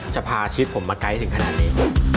พาชีวิตผมมาไกลถึงขนาดนี้